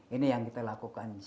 ini yang kita lakukan